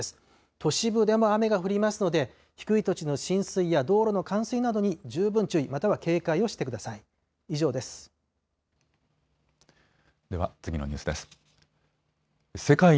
都市部でも雨が降りますので、低い土地の浸水や道路の冠水などに十分注意、または警戒をしてください。